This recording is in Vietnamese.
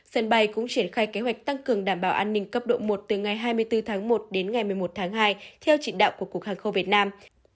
sân bay cũng triển khai kế hoạch tăng cường đảm bảo an ninh cấp độ một từ ngày hai mươi bốn tháng một đến ngày một mươi một tháng hai theo chỉ đạo của cục hàng không việt nam